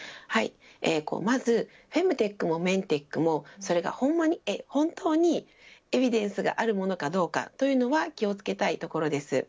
まず、フェムテックもメンテックもそれが本当にエビデンスがあるものかどうかというのは気をつけたいところです。